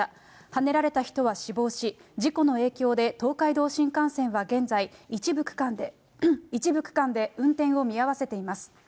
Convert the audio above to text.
はねられた人は死亡し、事故の影響で、東海道新幹線は現在、一部区間で運転を見合わせています。